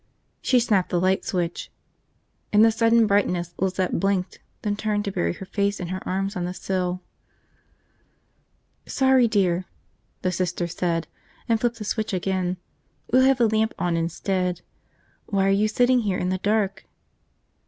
She snapped the light switch. In the sudden brightness Lizette blinked, then turned to bury her face in her arms on the sill. "Sorry, dear," the Sister said, and flipped the switch again. "We'll have the lamp on instead. Why are you sitting here in the dark?"